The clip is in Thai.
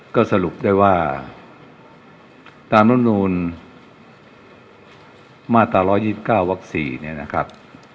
ก็สรุปได้ว่าตามลำนูลมาตรา๑๒๙วัก๔เนี่ยนะครับ